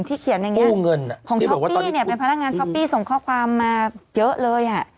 เขียนในแง่วงเงินของช้อปปี้เนี่ยเป็นพนักงานช้อปปี้ส่งข้อความมาเยอะเลยอ่ะ